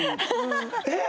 えっ！